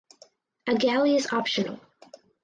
A galley is optional.